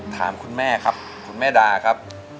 ถามคุณแม่ครับคุณแม่ดาครับ